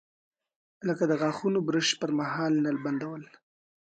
لکه د غاښونو برش پر مهال نل بندول.